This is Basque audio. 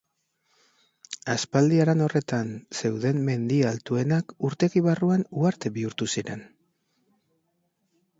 Aspaldi haran horretan zeuden mendi altuenak urtegi barruan uharte bihurtu ziren.